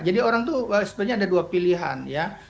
jadi orang itu sebenarnya ada dua pilihan ya